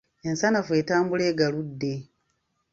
Ensanafu etambula egaludde.